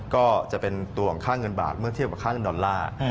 ก็จะเป็นตัวของค่าเงินบาทเมื่อเทียบกับค่าเงินดอลลาร์